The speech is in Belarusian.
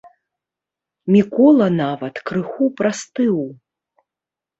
Мікола нават крыху прастыў.